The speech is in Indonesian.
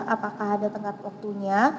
apakah ada tengah waktunya